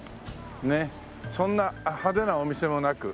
そんな派手なお店もなく。